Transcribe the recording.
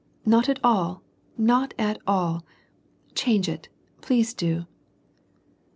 Not at all, not at all. Ohauge it, please do."